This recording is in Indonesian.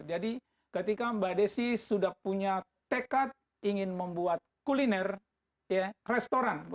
jadi ketika mbak desi sudah punya tekad ingin membuat kuliner ya restoran